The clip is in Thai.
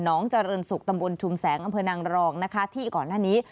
น้องเจริญสุขตำบลชุมแสงอำเภอนางรองที่ก่อนหน้านี้